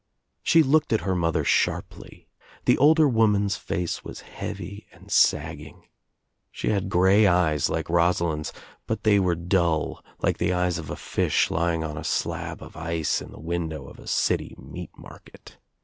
She looked at her mother sharply. The older woman's face was heavy and sagging She had grey eyes like Rosalind's but they were dull like the eyes of a fish lying on a slab of ice in the window of a city meat market.